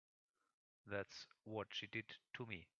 That's what she did to me.